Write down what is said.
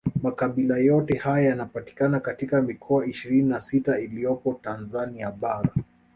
Makabila yote haya yanapatikana katika mikoa ishirini na sita iliyopo Tanzania bara